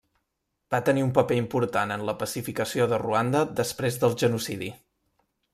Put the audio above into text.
Va tenir un paper important en la pacificació de Ruanda després del genocidi.